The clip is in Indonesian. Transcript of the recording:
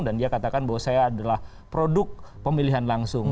dan dia katakan bahwa saya adalah produk pemilihan langsung